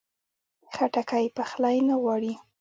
خټکی پخلی نه غواړي.